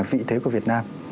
vị thế của việt nam